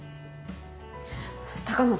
鷹野さん